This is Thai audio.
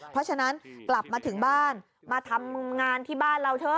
เพราะฉะนั้นกลับมาถึงบ้านมาทำงานที่บ้านเราเถอะ